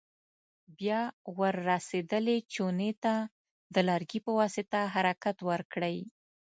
بیا ور رسېدلې چونې ته د لرګي په واسطه حرکت ورکړئ.